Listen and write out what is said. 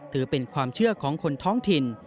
ถือเป็นความเชื่อของคนท้องถิ่น